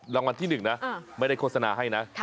รางวัลที่๑นะไม่ได้โฆษณาให้นะ